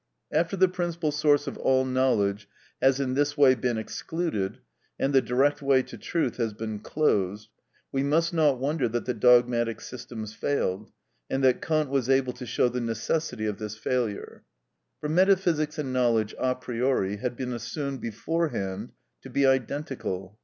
After the principal source of all knowledge has in this way been excluded, and the direct way to truth has been closed, we must not wonder that the dogmatic systems failed, and that Kant was able to show the necessity of this failure; for metaphysics and knowledge a priori had been assumed beforehand to be identical.